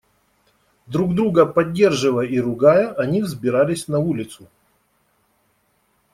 Друг друга поддерживая и ругая они взбирались на улицу.